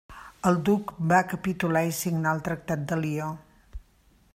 El Duc va capitular i signar el Tractat de Lió.